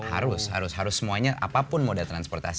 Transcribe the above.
harus harus semuanya apapun moda transportasi